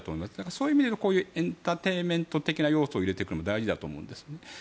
そういう意味で、こういうエンターテインメント的な要素を入れていくのも大事だと思うんですね。